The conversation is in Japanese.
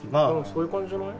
・そういう感じじゃない？